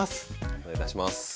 お願いいたします。